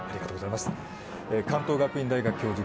関東学院大学教授